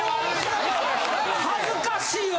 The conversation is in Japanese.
恥ずかしいな！